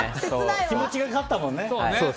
気持ちが勝ったもんね。